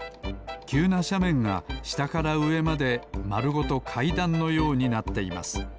きゅうなしゃめんがしたからうえまでまるごとかいだんのようになっています